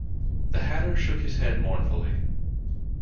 The Hatter shook his head mournfully.